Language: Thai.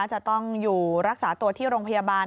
จะต้องอยู่รักษาตัวที่โรงพยาบาล